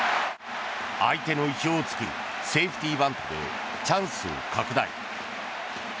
相手の意表を突くセーフティーバントでチャンスが拡大。